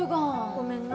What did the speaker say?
ごめんな。